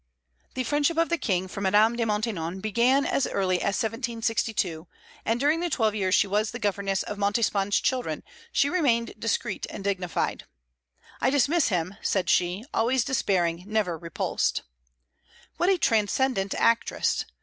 The friendship of the King for Madame de Maintenon began as early as 1672; and during the twelve years she was the governess of Montespan's children she remained discreet and dignified. "I dismiss him," said she, "always despairing, never repulsed." What a transcendent actress!